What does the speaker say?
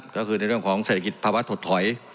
ก็คือในเรื่องของเศรษฐกิจภาวะถดถอย